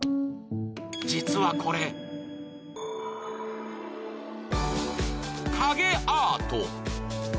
実はこれ影アート。